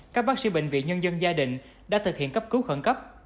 các bác sĩ bệnh viện nhân dân gia đình đã thực hiện cấp cứu khẩn cấp